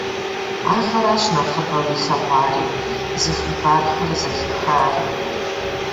Ахэращ нэхъыбэу илъэгъуари, зи хъыбархэр зэхихари.